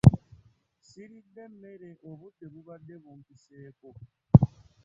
Ssiridde mmere, obudde bubadde bumpiseeko.